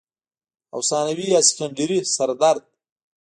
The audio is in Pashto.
او ثانوي يا سيکنډري سردرد